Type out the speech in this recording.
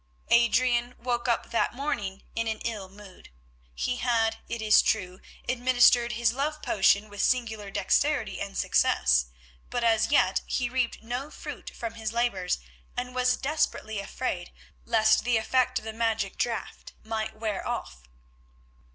Adrian woke up that morning in an ill mood. He had, it is true, administered his love potion with singular dexterity and success, but as yet he reaped no fruit from his labours, and was desperately afraid lest the effect of the magic draught might wear off.